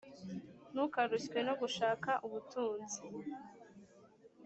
ntukarushywe no gushaka ubutunzi